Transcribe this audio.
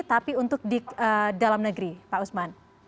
tapi untuk di dalam negeri pak usman